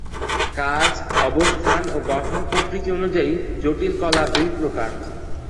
কাজ, অবস্থান ও গঠন প্রকৃতি অনুযায়ী জটিল কলা দুই প্রকার।